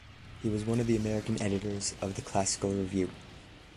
He was one of the American editors of the "Classical Review".